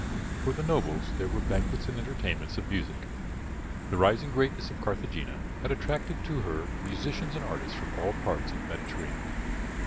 For the nobles there were banquets and entertainments of music. The rising greatness of Carthagena had attracted to her musicians and artists from all parts of the Mediterranean.